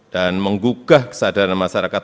dan menggugah kesadaran masyarakat